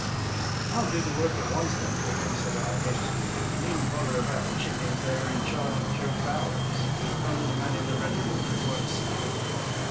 " I'll do the work at once then. Colonel," said I hastily, "but you needn't bother about the chickens — they are in charge of Joe Bowers — the only man in the regiment who won't steal."